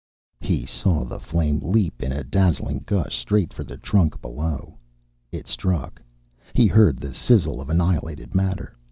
He saw the flame leap in a dazzling gush straight for the trunk below. It struck. He heard the sizzle of annihilated matter.